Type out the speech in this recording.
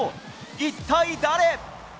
一体誰？